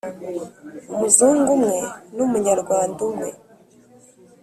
umuzungu umwe n Umunyarwanda umwe